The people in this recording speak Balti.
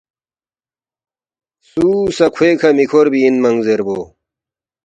سُو سہ کھوے کھہ مِہ کھوربی اِنمنگ زیربو